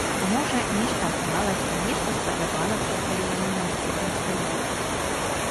Можа, нешта адклалася, нешта спадабалася, калі я на мосце тым стаяў.